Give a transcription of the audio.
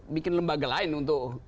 bikin lembaga lain untuk